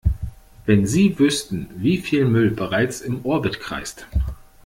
Wenn Sie wüssten, wie viel Müll bereits im Orbit kreist!